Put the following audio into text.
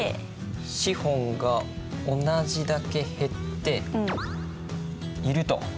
資本が同じだけ減っていると。